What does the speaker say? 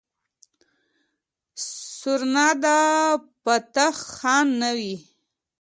سورنا د فتح خان نه وي.